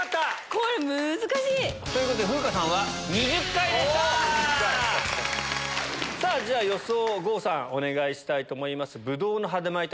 これ難しい！ということで風花さんは。じゃ予想郷さんお願いしたいと思います。